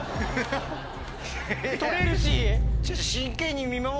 とれるし。